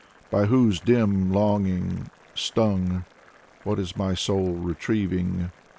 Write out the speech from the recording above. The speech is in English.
By whose dim longing stung, what is my soul retrieving?